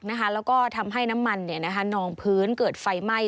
แล้วก็ทำให้น้ำมันนองพื้นเกิดไฟไหม้